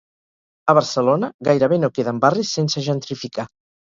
A Barcelona, gairebé no queden barris sense gentrificar.